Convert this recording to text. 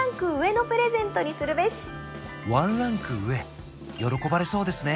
ワンランク上喜ばれそうですね